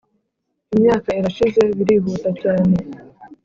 imyaka irashize, birihuta cyane